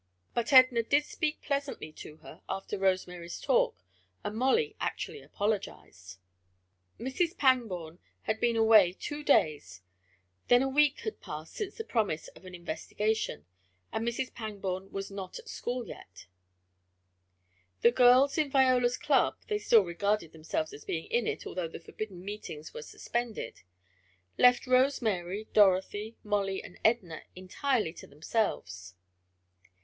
But Edna did speak pleasantly to her after Rose Mary's talk, and Molly actually apologized. Mrs. Pangborn had been away two days, then a week had passed since the promise of an investigation, and Mrs. Pangborn was not at school yet. The girls in Viola's club (they still regarded themselves as being in it, although the forbidden meetings were suspended), left Rose Mary, Dorothy, Molly and Edna entirely to themselves.